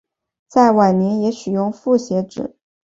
在晚年也使用复写纸。